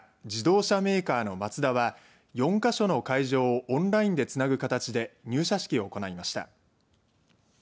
自動車メーカーのマツダは４か所の会場をオンラインでつなぐ形で入社式を行いました。